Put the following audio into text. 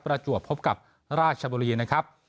ประจวบพบกับราชบุรีนะครับ